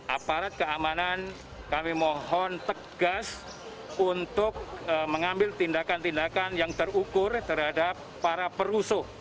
aparat keamanan kami mohon tegas untuk mengambil tindakan tindakan yang terukur terhadap para perusuh